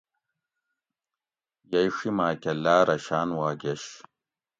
یئی ڛیماکۤہ لاۤرہ شاۤن وا گیش